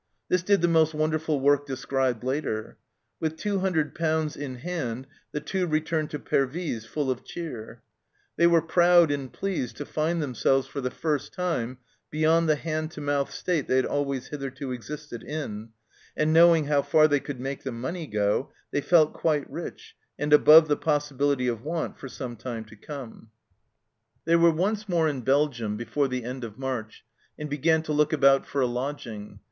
This did the most wonderful work described later. With two hundred pounds in hand, the Two returned to Pervyse full of cheer. They were proud and pleased to find themselves for the first time beyond the hand to mouth state they had always hitherto existed in, and knowing how far they could make the money go, they felt quite rich and above the possibility of want for some time to come. THE CELLAR HOUSE OF PERVYSE They were once more in Belgium before the end of March, and began to look about for a lodging.